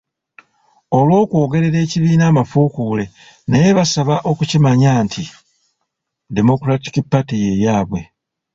Olw'okwogerera ekibiina amafuukuule naye basaba okukimanya nti Democratic Party ye yaabwe.